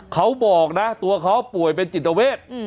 เขาบอกนะตัวเขาป่วยเป็นจิตเวท